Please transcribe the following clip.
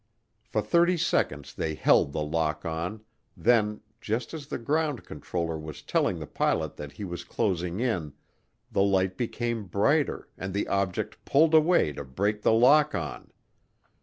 For thirty seconds they held the lock on; then, just as the ground controller was telling the pilot that he was closing in, the light became brighter and the object pulled away to break the lock on.